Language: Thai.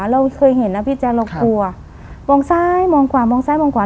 เราเคยเห็นนะพี่แจ๊คเรากลัวมองซ้ายมองขวามองซ้ายมองขวา